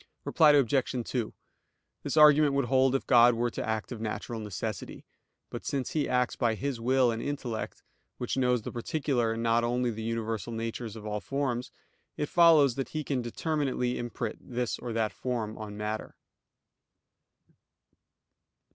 Reply Obj. 2: This argument would hold if God were to act of natural necessity. But since He acts by His will and intellect, which knows the particular and not only the universal natures of all forms, it follows that He can determinately imprint this or that form on matter.